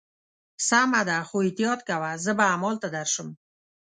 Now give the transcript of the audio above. سمه ده، خو احتیاط کوه، زه به همالته درشم.